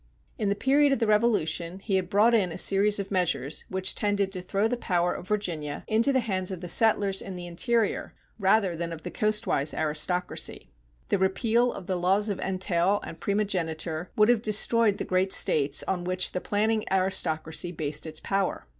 In the period of the Revolution he had brought in a series of measures which tended to throw the power of Virginia into the hands of the settlers in the interior rather than of the coastwise aristocracy. The repeal of the laws of entail and primogeniture would have destroyed the great estates on which the planting aristocracy based its power.